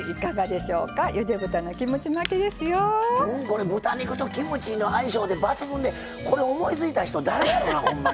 これ豚肉とキムチの相性で抜群でこれ思いついた人誰やろな？